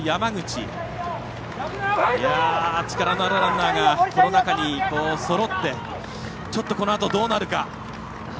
力のあるランナーがこの中に、そろってこのあとどうなるか。